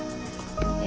え？